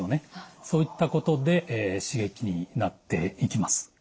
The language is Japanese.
そういったことで刺激になっていきます。